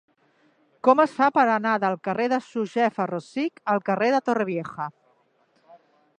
Com es fa per anar del carrer de Josefa Rosich al carrer de Torrevieja?